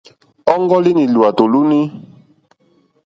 Ɔ́ŋɡɔ́línì lwàtò lúú!ní.